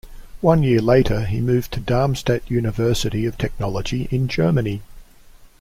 One year later, he moved to the Darmstadt University of Technology in Germany.